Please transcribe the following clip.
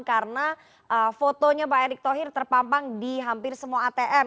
karena fotonya pak erick thohir terpampang di hampir semua atm